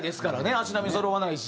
足並みそろわないし。